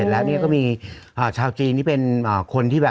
แล้วก็มีชาวจีนที่เป็นคนที่แบบ